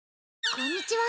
こんにちは